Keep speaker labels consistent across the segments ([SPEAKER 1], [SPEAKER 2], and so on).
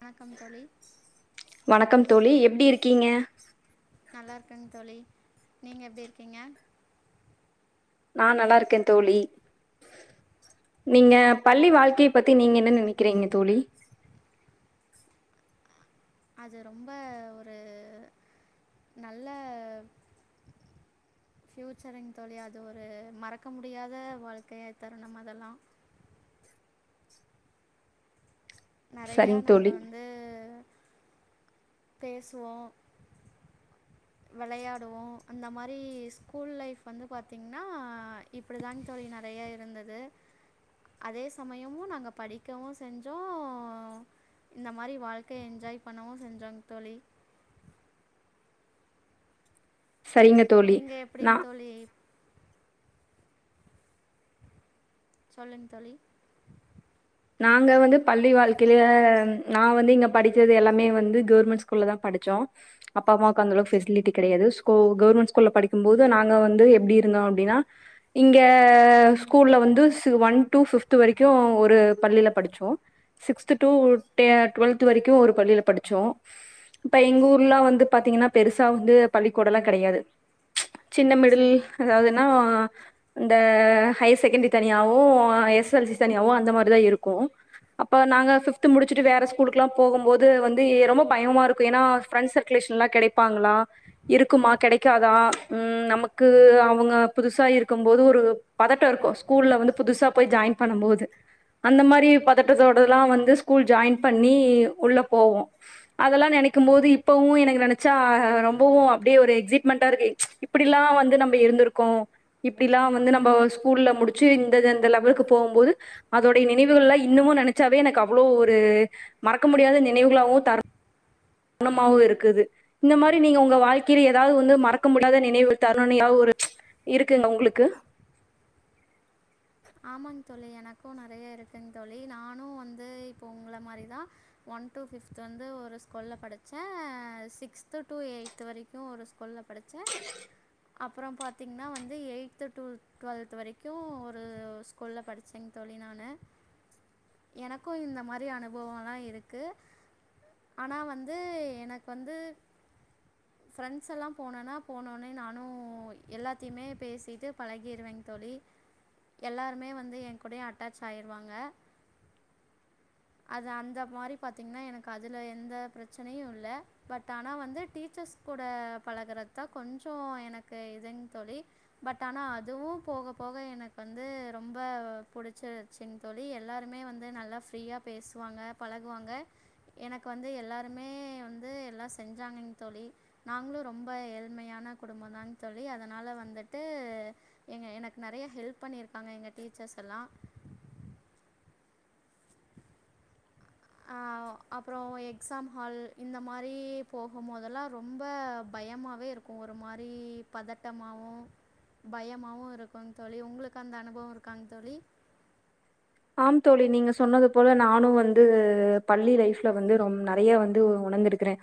[SPEAKER 1] வணக்கம் தோழி
[SPEAKER 2] வணக்கம் தோழி எப்டி இருக்கீங்க
[SPEAKER 1] நல்லா இருக்கங் தோழி நீங்க எப்டி இருக்கீங்க
[SPEAKER 2] நா நல்லா இருக்கே தோழி நீங்க பள்ளி வாழ்க்கைய பத்தி நீங்க என்ன நெனைக்கிறீங்க தோழி
[SPEAKER 1] அது ரொம்ப ஒரு நல்ல ஃப்யூச்சருங் தோழி அது ஒரு மறக்க முடியாத வாழ்க்கைய தருணம் அதெல்லா நெறையா
[SPEAKER 2] சரிங்க
[SPEAKER 1] நாங்க
[SPEAKER 2] தோழி.
[SPEAKER 1] வந்து பேசுவோ வெளையாடுவோ அந்த மாரி ஸ்கூல் லைஃப் வந்து பாத்தீங்ன்னா இப்புடி தான் தோழி நெறையா இருந்தது அதே சமயமு நாங்க படிக்கவு செஞ்சோ இந்த மாரி வாழ்க்கைய என்ஜாய் பண்ணவு செஞ்சோங் தோழி
[SPEAKER 2] சரிங்கத்
[SPEAKER 1] நீங்க எப்புடிங் தோழி சொல்லுங் தோழி
[SPEAKER 2] நாங்க வந்து பள்ளி வாழ்க்கையில நா வந்து பள்ளி வாழ்க்கையில நா வந்து இங்க படிக்கிறது எல்லாமே வந்து கவுர்மெண்ட் ஸ்கூல்ல தா படுச்சோ அப்பா அம்மாவுக்கு அந்த அளவுக்கு பெசிலிட்டி கெடையாது சோ கவுர்மெண்ட் ஸ்கூல்ல படிக்கும்போது நாங்க வந்து எப்டி இருந்தோ அப்டின்னா இங்க ஸ்கூல வந்து ஒன் டூ பிப்த்து வரைக்கு ஒரு பள்ளில படிச்சோம் சிக்ஸ்த் டூ டெ டுவல்த் வரைக்கு ஒரு பள்ளில படுச்சோ இப்ப எங்க ஊர்லா வந்து பாத்திங்கன்னா பெருசா வந்து பள்ளிக்கூடலா கெடையாது சின்ன மிடில்
[SPEAKER 1] சரிங்க
[SPEAKER 2] எதாவதுன்னா இந்த ஹையர் செகண்ட்ரி தனியாவு எஸ் எல் சி தனியாவு அந்த மாதிரிதா இருக்கு அப்ப நாங்க பிப்த் முடிச்சுட்டு வேற ஸ்கூலுக்குல்லா போகும்போது வந்து ரொம்ப பயமா இருக்கு ஏன்னா ப்ரண்ட்ஸ் சர்க் கிலேஸ் நல்லா கெடைப்பாங்ளா இருக்குமா கெடைக்காதா ம் நமக்கு அவுங்க புதுசா இருக்கும் போது ஒரு பதட்டோ இருக்கு ஸ்கூல்ல வந்து புதுசா போய் ஜாயின் பண்ணும் போது அந்த மாரி பதட்டத்தோடல்லா வந்து ஸ்கூல் ஜாயின் பண்ணி உள்ள போவோ அதெல்லா நெனைக்கும் போது இப்பவு எனக்கு நெனச்சா ரொம்பவு அப்டியே ஒரு எக்சைட்மெண்டா இருக்கு எப்புடிலா வந்து நம்ம இருந்துருக்கோ இப்டிலா வந்து நம்ம ஸ்கூல்ல முடிச்சு இந்தெந்த லெவலுக்கு போகும்போது அது அதோடைய நினைவுகள்லா இன்னமு நெனச்சாவே எனக்கு அவ்ளோ ஒரு மறக்க முடியாத நினைவுகளாவு தர தருனமாவு இருக்குது இந்த மாரி நீங்க உங்க வாழ்க்கையில ஏதாவது வந்து மறக்க முடியாத நினைவு தரனுனு ஏதாவது ஒரு இருக்குங்க உங்ளுக்கு
[SPEAKER 1] ஆமாங் தோழி எனக்கு நெறைய இருக்குங் தோழி நானு வந்து இப்போ உங்ள மாரி தா ஒன் டூ ஃபிப்த்து வந்து ஒரு ஸ்கூல்ல படிச்ச சிக்ஸ்து டு எயி்த் வரைக்கு ஒரு கொள்ள படிச்சே அப்றோ பா்த்தீங்னா வந்து எய்த் டூ டுவல்த் வரைக்கு ஒரு து ஒரு ஸ்கூல்ல படிச்சங் தோழி நானு எனக்கு இந்த மாரி அனுபவலா இருக்கு ஆனா வந்து எனக் வந்து ஃப்ரெண்ட்ஸ் எல்லா போனனா போனோனே நானு எல்லாத்தையுமே பேசிட்டு பழகிறுவேங் தோழி எல்லாருமே வந்து எ கூடயே அட்டாச் ஆயிருவாங்க அது அந்த மாரி பாத்தீங்னா எனக்கு அதுல எந்த பிரச்சனையு இல்ல பட் ஆனா வந்து டீச்சர்ஸ் கூட பழகறத்தா கொஞ்சோ எனக்கு இதுங் தோழி பட் ஆனா அதுவு போக போக எனக் வந்து ரொம்ப புடிச்சிருச்சிங் தோழி எல்லாருமே வந்து நல்லா ஃப்ரீயா பேசுவாங்க பழகுவாங்க எனக் வந்து எல்லாருமே வந்து எல்லா செஞ்சாங்கங் தோழி நாங்ளு ரொம்ப ஏழ்மையான குடும்ப தாங் தோழி அதனால வந்துட்டு எங்க எனக் நெறைய ஹெல்ப் பண்ணியிருக்காங்க எங்க டீச்சர்ஸ் எல்லா ஆ அப்புறோ எக்ஸாம் ஹால் இந்த மாரி போகு போதெல்லா ரொம்ப பயமாவே இருக் கு ஒரு மாரி பதட்டமாவு பயமாவு இருக்குங் தோழி உங்களுக்கு அந்த அனுபவோ இருக்காங் தோழி
[SPEAKER 2] ஆம் தோழி நீங்க சொன்னது போல நானு வந்து பள்ளி லைஃப்ல வந்து ரொம் நெறைய வந்து உணந்திருக்கிறே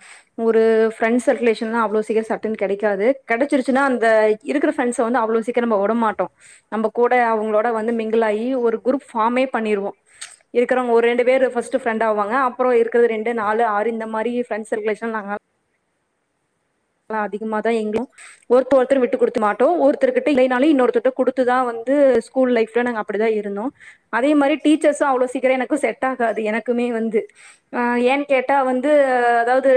[SPEAKER 2] ஒரு ஃப்ரெண்ஸ் சர்குலேஷன்னா அவ்ளோ சீக்ரோ சட்டுன் கெடைக்காது கெடச்சிருச்சினா அந்த இருக்குற ஃரெண்ட்ஸ் வந்து அவ்ளோ சீக்கிரோ நம்ப வுடமாட்டோ நம்ப கூட அவுங்களோட வந்து மிங்கிலாயி ஒரு குரூப் ஃபாமே பண்ணிருவோ இருக்குறவங்க ஒரு ரெண்டு பேரு ஃபஸ்ட்டு ஃப்ரெண்டாவாங்க அப்புறோ இருக்குற ரெண்டு நாலு ஆறு இந்த மாரி ஃப்ரெண்ஸ் ஷர்குலேஷனாங்க ஆனா அதிகமா தா எங்ளு ஒருத்த ஒருத்தர் விட்டு குடுத்து மாட்டோ ஒருத்தர்கிட்ட இல்லைனாலு இன்னொருத்தர்ட்ட குடுத்துதா வந்து சு கூல் லைஃப்ல நாங்க அப்படிதா இருந்தோ அதே மாரி டீச்சர்ஸு அவ்ளோ சீக்கிர எனக்கு செட் ஆகாது எனக்குமே வந்து அ ஏன் கேட்டா வந்து அதாவது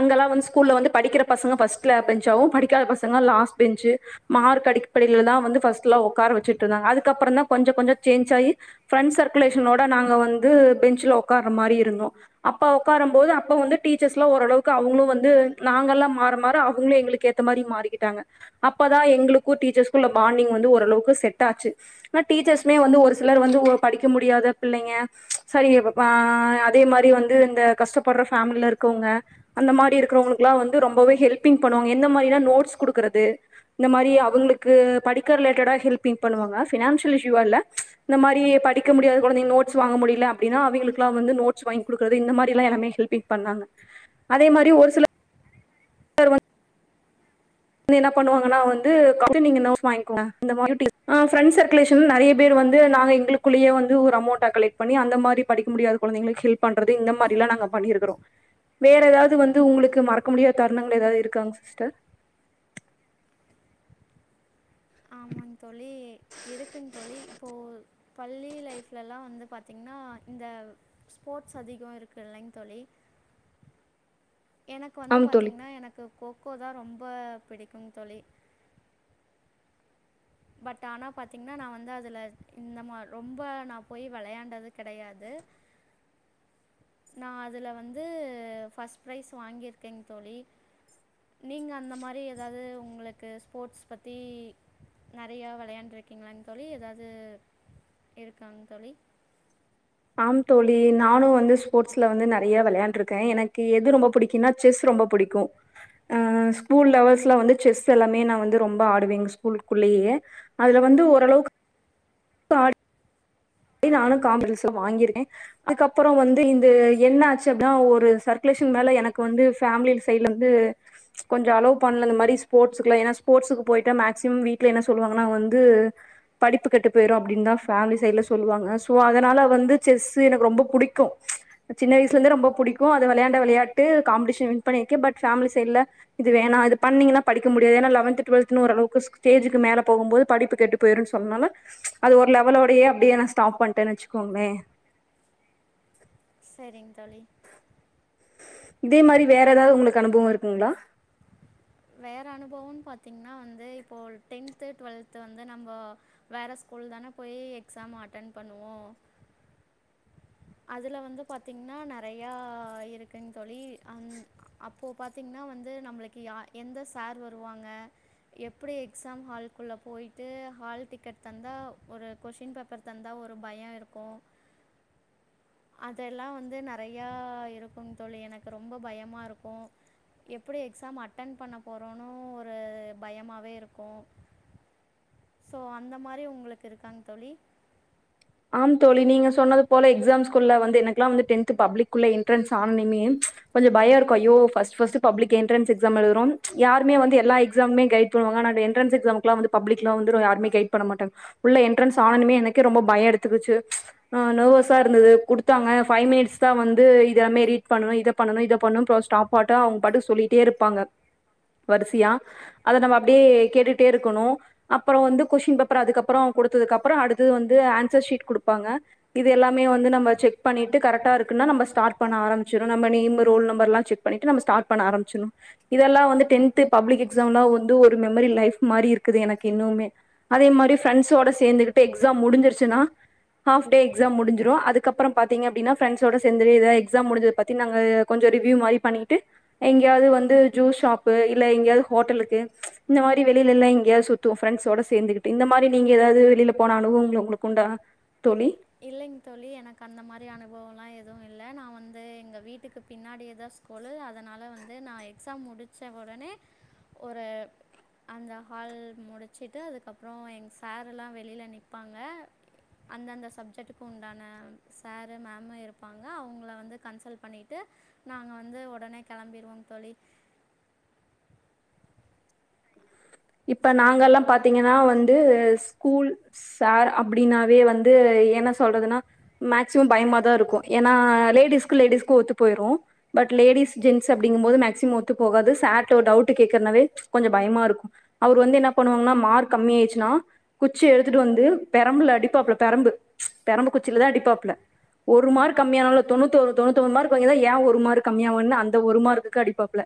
[SPEAKER 2] அங்கெல்லா ஒன்ஸ் கூல்ல வந்து படிக்கிற பசங்க ஃபஸ்ட்ல பெஞ்சாவு படிக்காத பசங்க லாஸ் பெஞ்சு மார்க் அடிப்படைல தா வந்து ஃபஸ்ட்ல உக்கார வச்சிட்ருந்தாங்க அதுக்கப்றதா வந்து கொஞ்சோ கொஞ்சோ சேஞ் ஆயி ஃப்ரெண்ஸ் சர்குலேஷனோட நாங்க வந்து பெஞ்சுல உக்கார மாரி இருந்தோ அப்ப உக்காரம் போது அப்ப வந்து டீச்சர்ஸ்லா ஓரளவுக்கு அவுங்களு வந் து நாங்கல்லா மாற மாற அவுங்ளு எங்களுக் ஏத்த மாரி மாறிக்கிட்டாங்க அப்பதா எங்களுக்கு டீச்சர்ஸ்கு உள்ள பாண்டிங் வந்து ஓரளவுக்கு செட் ஆச்சி ஆனா டீச்சர்ஸ்மே வந்து ஒரு சிலர் வந்து ஒ படிக்க முடியாத பிள்ளைங்க சரி ஆ அதே மாரி வந்து இந்த கஷ்ட்டப்பற ஃபேமிலில இர்க்கவுங்க அந்த மாரி இரு க்றவங்களுக்லா வந்து ரொம்பவே ஹெல்பிங் பண்ணுவாங்க எந்த மாரினா நோட்ஸ் குடுக்குறது இந்த மாரி அவுங்களுக்கு படிக்க ரிலேட்டடா ஹெல்பிங் பண்ணுவாங்க ஃபினான்சியல் இஷுயூவால இந்த மாரி படிக்க முடியாத கொழந்தைங்க நோட்ஸ் வாங்க முடியில அப்டின்னா அவிங்களுக்லா வந்து நோட்ஸ் வாங்கி குடுக்குறது இந்த மாரிலா எல்லாமே ஹெல்பி பண்ணாங்க அதே மாரி ஒரு சில [inaudible] வந் என்ன பண்ணுவாங்கனா வந்து [unintelligible] வாங்கிக்கோங்க அ ஃபிரண்ட்ஸ் சர்குலேஷன் நிறைய பேர் வந்து நாங்க எங்களுக்குள்ளயே வந்து ஒரு அமௌண்டா கெலக்ட் பன்னி அந்த மாரி படிக்க முடியாத குழந்தைகளுக்கு ஹெல்ப் பண்றது இந்த மாரிலா நாங்க பண்ணிருக்கிறோ வேற எதாவது வந்து உங்களுக்கு மறக்க முடியாத தருணங்கள் எதாவது இருக்காங் சிஸ்டர்
[SPEAKER 1] ஆமாங் தோழி இருக்குங் தோழி இப்போ பள்ளி லைஃப்லல்லா வந்து பாத்தீங்கன்னா இந்த ஸ்போர்ட்ஸ் அதிகோ இருக்குல்லைங் தோழி எனக்கு வந்து
[SPEAKER 2] ஆம் தோழி
[SPEAKER 1] பாத்தீங்ன்னா எனக்கு கோக்கோ தா ரொம்ப பிடிக்கும் தொழி பட் ஆனா பாத்தீங்ன்னா நா வந்து அதுல இந்த மா ரொம்ப நா போய் வெளையாண்டது கெடையாது நா அதுல வந்து ஃபர்ஸ்ட் ப்ரைஸ் வாங்கியிருக்கேங் தோழி நீங்க அந்த மாரி எதாவது உங்களுக்கு ஸ்போர்ட்ஸ் பத்தி நறைய விளையாண்ருக்கீங்களா தோழி எதாவது இருக்காங் தோழி
[SPEAKER 2] ஆம் தோழி நானு வந்து ஸ்போர்ட்ஸ்ல வந்து நறைய விளையாண்டுருக்கே எனக்கு எது ரொம்ப பிடிக்குன்னா செஸ் ரொம்ப புடிக்கு அ ஸ்கூல் லெவல்ஸ்ல வந்து செஸ் எல்லாமே நா வந்து ரொம்ப ஆடுவே எங்க ஸ்கூலுக்குள்ளேயே அதுல வந்து ஓரளவுக்கு ஏ நானு காம் மெடல்ஸ்லா வாங்கிறே அதுக்கப்பறோ வந்து இந்து என் ஆச்சு அப்டின்னா ஒரு சர்க்குலேஷன் மேல எனக்கு வந்து ஃபேமிலி சைடுல இருந்து கொஞ்ச அலோ பண்ல அ இந்த மாதிரி ஸ்போர்ட்ஸுக்குலா ஏன்னா ஸ்போர்ட்ஸுக்கு போயிட்டா மேக்சிமம் வீட்ல என்ன சொல்லுவாங்கனா வந்து படிப்பு கெட்டு போயிரு அப்படின்தா ஃபேமிலி சைட்ல சொ ல்லுவாங்க சோ அதுனால வந்து செஸ்ஸு எனக்கு ரொம்ப பிடிக்கு சின்ன வயசுல இருந்து ரொம்ப பிடிக்கு அத வெளையாண்ட விளையாட்டு காம்பிடேஷன் வின் பண்ணியிருக்கே பட் ஃபேம்லி சைட்ல இது வேணா இது பண்னிங்கன்னா படிக்க முடியாது ஏன்னா லெவன்த் டுவலத் ஓரளவுக்கு ஸ்டேஜுக்கு மேல போகும்போது படிப்பு கெட்டு போயிருன்னு சொன்னனால அது ஒரு லெவலோடையே அப்படியே நா ஸ்டாப் பண்ட்டேன் வச்சுக்கோங்களே
[SPEAKER 1] சரிங் தோழி
[SPEAKER 2] இதே மாரி வேற எதாவது உங்களுக்கு அனுபவம் இருக்குங்களா
[SPEAKER 1] வேற அனுபவன்னு பாத்தீங்கன்னா வந்து இப்போ டென்த்து டுவெல்த் வந்து நம்ப வேற ஸ்கூல் தான போய் எக்ஸாம் அட்டென் பண்ணுவோ அதுல வந்து பாத்தீங்ன்னா நறையா இருக்குங் தோழி அந் அப் இப்போ பாத்தீங்ன்னா வந்து நம்ளுக்கு யா எந்த சார் வருவாங்க எப்டி எக்ஸாம் ஹால்குள்ள போயிட்டு ஹால் டிக்கெட் தந்தா ஒரு கொஸ்சின் பேப்பர் தந்தா ஒரு பய இருக்கு அதெல்லா வந்து நறையா இருக்கும் தோழி எனக்கு ரொம்ப பயமா இருக்கு எப்படி எக்ஸாம் அட்டன் பண்ண போறோன்னு ஒரு பயமாவே இருக்கு சோ அந்த மாரி உங்களுக்கு இருக்காங் தோழி
[SPEAKER 2] ஆம் தோழி நீங்க சொன்னது போல எக்ஸாம்ஸ் குள்ள வந்து எனக்லா வந்து டென்த் பப்ளிக்குள்ள என்ட்ரன்ஸ் ஆனனுமே கொஞ்ச பய இருக்கு ஐயோ first first public entrance exam எழுதுரோன் யாருமே வந்து எல்லா எக்ஸாமுமே கைட் ல்லுவங்க அனா இந்த என்ட்ரன்ஸ் எக்ஸாம்சுக்குலா வந்து பப்ளிக்ல வந்து யாருமே கைட் பண்ணமாட்டாங்க உள்ள என்ட்ரன்ஸ் ஆனனுமே எனக்கே ரொம்ப பயோ எடுத்துக்குச்சு அ நர்வஸா இருந்தது குடுத்தாங்க ஃபை மினிட்ஸ் தா வந்து இதெல்லாமே ரீட் பண்ணணு இத பண்ணணு இத பண்ணும் ஸ்டாப் பாட்டு அவுங்க பாட்டு சொல்லிட்டே இருப்பாங்க வரிசையா அத நம்ம அப்டியே கேட்டுட்டே இருக்கணு அப்பறோ வந்து கொஸ்டின் பேப்பர் அதுக்கப்பறோ கொடுத்ததுக்கு அப்பறோ அடுத்தது வந்து ஆன்சர் ஷீட் குடுப்பாங்க இது எல்லாமே வந்து நம்ம செக் பண்ணிட்டு கரெக்டா இருக்குன்னா நம்ம ஸ்டார்ட் பண்ண ஆரம்பச்சிரு நம்ம நேம்மு ரோல் நம்பர்லா செக் பண்ணிட்டு நம்ம ஸ்டார்ட் பன்ன ஆரம்ச்சுணு இதெல்லா வந்து டென்த் பப்ளிக் எக்ஸாம்லா வந்து ஒரு மெமரி லைஃப் மாரி இருக்குது எனக்கு இன்னுமே அதே மாரி ஃப்ரண்ஸ்ஸோட சேர்ந்துகிட்டு எக்ஸாம் முடிஞ்சிருச்சுன்னா ஹாப் டே எக்ஸாம் முடுஞ்சுடு அதுகப்றோ பாத்தீங்க அப்டினா ஃபிரண்ட்ஸோட சேந்து ஏதாது எக்ஸாம் முடிஞ்சத பத்தி நாங்க கொஞ்சோ ரிவ்யூ மாரி பண்ணிட்டு எங்கேயாவது வந்து ஜூஸ் ஷாப்பு இல்ல எங்கயாவது ஹோட்டலுக்கு இந்த மாரி வெளிலல்லா எங்கேயாவது சுத்துவோ ஃப்ரண்டஸோட சேந்துகிட்டு இந்த மாரி நீங்க ஏதாவது வெளில போன அனுபவங்கள் ஒங்களுக்கு உண்டா தோழி
[SPEAKER 1] இல்லைங்க தோழி எனக்கு அந்த மாரி அனுபவோலா எதுவு இல்ல நா வந்து எங்க வீட்டுக்கு பின்னாடியேதா சு கொழு அதனால வந்து நா எக்ஸாம் முடிச்ச ஒடனே ஒரு அந்த ஹால் முடிச்சிட்டு அதுக்கப்பறோ எங்க சாரெல்லா வெளில நிப்பாங்க அந்தந்த சப்ஜெக்ட்டுக்கு உண்டான சாரு மேமு இருப்பாங்க அவங்கள வந்து கன்சல் பண்ணிட்டு நாங்க வந்து ஒடனே கெளம்பிடுவோ தோழி
[SPEAKER 2] இப்ப
[SPEAKER 1] சரிங்க
[SPEAKER 2] நாங்கல்லா
[SPEAKER 1] தோழி
[SPEAKER 2] பாத்தீங்கன்னா வந் து ஸ்கூல் சார் அப்டின்னாவே வந்து என்ன சொல்றதுன்னா மேக்சிமம் பயமாதா இருக்கு ஏனா லேடிஸ்க்கு லேடிஸ்க்கு ஒத்து போய்ரு பட் லேடிஸ் ஜென்ஸ் அப்டிங்கும்போது மேக்சிமம் ஒத்து போகாது சார்ட ஒரு டவுட் கேக்குறனாவே கொஞ்ச பயமா இருக்கு அவர் வந்து என்ன பண்ணுவாங்கன்னா மார்க் கம்மி ஆயிடுச்சுன்னா குச்சி எடுத்துட்டு வந்து பெரம்புல அடிப்பாப்புல பெரம்பு பெரம்பு குச்சிலதா அடிப்பாப்புல ஒரு மார்க் கம்மியானலு தொண்ணூத்தி ஒரு தொண்ணுத்தி ஒன்பது மார்க்கு வாங்கி இருந்தா ஏ ஒருமார்க் கம்மி ஆகுல அந்த ஒரு மார்க்குக்கு அடிப்பாப்ல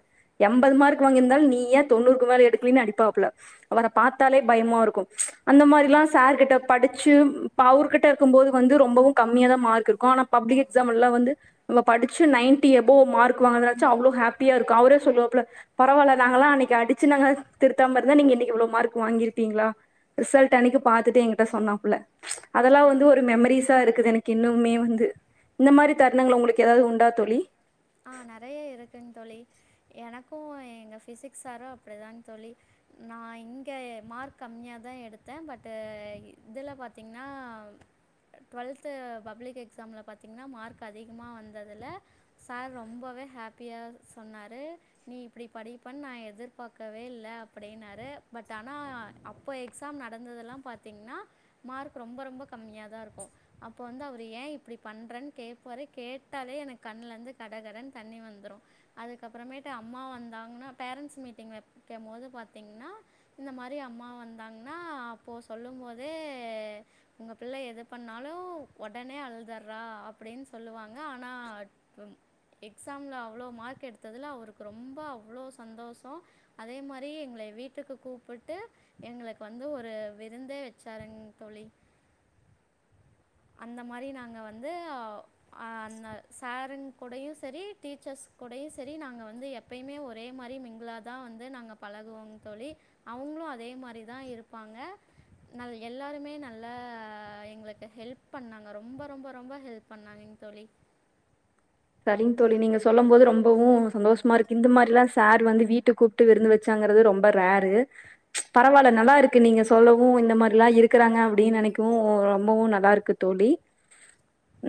[SPEAKER 2] எம்பது மார்க் வாங்கிருந்தாலு நீ ஏ தொண்ணூறுக்கு மேல எடுக்கலன்னு அடிப்பாப்ல அவர பாத்தாலே பயமா இருக்கு அந்த மாரிலா சார்கிட்ட படிச்சு இப்போ அவர்கிட்ட இருக்கு போது வந்து ரொம்பவு கம்மியாதா மார்க் இருக்கு ஆனா பப்ளிக் எக்ஸாம் எல்லா வந்து நம்ம படிச்சு நைன்டி எபோவ் மார்க் வாங்குனத நெனச்சு அவ்ளோ ஹாப்பியா இருக்கு அவரே சொல்லுவாப்ல பரவால்ல நாங்களா அன்னைக்கு அடிச்சு நாங்க திரு த்தாம இருந்த நீங்க இனைக்கு இவ்ளோ மார்க் வாங்கிருக்பீங்களா ரிசல்ட் அன்னைக்கு பாத்துட்டு என்கிட்ட சொன்னாப்ல அதெல்லா
[SPEAKER 1] ஆ
[SPEAKER 2] வந்து ஒரு மெமரிஸ் ஸா இருக்குது எனக்கு இன்னுமே வந்து இந்த மாரி தருணங்கள் உங்களுக்கு ஏதாவது உண்டா தோழி
[SPEAKER 1] ஆ நெறைய இருக்குங் தோழி எனக்கு எங்க பிசிக்ஸ் சார்ரு அப்டிதா தோழி நா இங்க மார்க் கம்மியாதா எடுத்தே பட் இதுல பாத்திங்கன்னா அ ட்வெல்த்து பப்ளிக் எக்ஸாம்ல பாத்திங்ன்னா மார்க் அதிகமா வந்ததுல சார் ரொம்பவே ஹாப்பியாக சொன்னாரு நீ இப்டி படிப்பன் நா எதிர்பாக்கவே இல்ல அப்படின்னாரு பட் ஆனா அப் இப்போ எக்ஸாம் நடந்ததெல்லா பார்த்தீங்கன்னா மார்க் ரொம்ப ரொம்ப கம்மியாதா இருக்கு அப்ப வந்து அவரு ஏ இப்டி பண்றன் கேப்பாரு கேட்டாலே எனக் கண்ல இருந்து கட கடனு தண்ணி வந்துரு அதுக்கப்பறமேட்டு அம்மா வந்தாங்ன்னா பேரன்ஸ் மீட்டிங்கு வக்கம் போது பாத்திங்ன்னா இந்த மாரி அம்மா வந்தாங்கன்னா அப்போ சொல்லும்போதே உங்க பிள்ள எது பண்ணாலு ஒடனே அழுதுர்றா அப்படின் சொல்லுவாங்க ஆனா துன் எக்ஸாம்ல அவ்ளோ மார்க் எடுத்ததுல அவருக்கு ரொம்ப அவ்ளோ சந்தோசோ அதே மாரி எங்ளை வீட்டுக்கு கூப்பிட்டு எங்ளுக்கு வந்து ஒரு விருந்தே வச்சாருங் தோழி அந்த மாரி நாங்க வந்து ஆவ் அந்த சாருங் கூடையு செரி டீச்சர்ஸ் கூடையு செரி நாங்க வந்து எப் எப்பயுமே ஒரே மாரி மிங்கிள்ளாதா வந்து நாங்க பழகுவோ தோழி அவுங்களும் அதே மாரிதா இருப்பாங்க ந எல்லாருமே நல்லா எங்களுக்கு ஹெல்ப் பண்ணாங்க ரொம்ப ரொம்ப ரொம்ப ஹெல்ப் பண்ணாகேங்க தோழி
[SPEAKER 2] சரிங்க தோழி நீங்க சொல்லும் போது ரொம்பவு சந்தோஷமா இருக்கு இந்த மாரிலா சார் வந்து வீட்டுக்கு கூப்ட் ட்டு விருந்து வச்சாங்கறது ரொம்ப ரேரு பரவால்ல நல்லா இருக்கு நீங்க சொல்லவு இந்த மாரிலா இருக்குறாங்க அப்டி நெனைக்கவு ரொம்பவு நல்லாருக்கு தோழி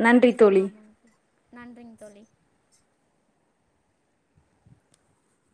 [SPEAKER 2] நன்றி தோழி
[SPEAKER 1] ஆமாங்க நன்றிங்க தோழி [inaudible]